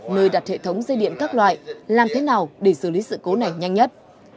nơi đặt hệ thống dây điện các loại làm thế nào để xử lý sự cố này nhanh nhất